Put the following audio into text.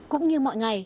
cũng như mọi ngày